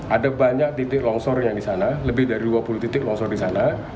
ada banyak titik longsor yang di sana lebih dari dua puluh titik longsor di sana